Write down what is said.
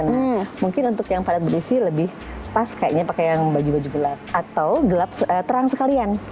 nah mungkin untuk yang padat berisi lebih pas kayaknya pakai yang baju baju gelap atau gelap terang sekalian